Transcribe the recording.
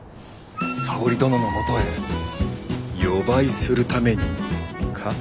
沙織殿のもとへ夜ばいするためにか？